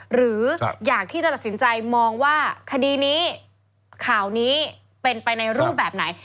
หรืออยากที่จะตัดสินใจมองว่าคดีนี้ข่าวนี้เป็นไปในรูปแบบไหน